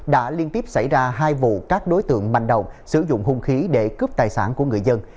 đã liên tiếp xảy ra hai vụ các đối tượng manh động sử dụng hung khí để cướp tài sản của người dân